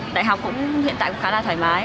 đại học hiện tại cũng khá là thoải mái